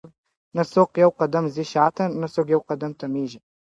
نه څوک یو قدم ځي شاته نه څوک یو قدم تمیږي ,